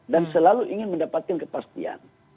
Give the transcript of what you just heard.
dan selalu ingin mendapatkan kepastian